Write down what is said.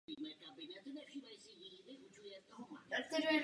V Berlínského dvora vypukl zmatek.